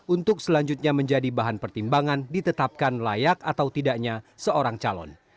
untuk selanjutnya menjadi bahan pertimbangan ditetapkan layak atau tidaknya seorang calon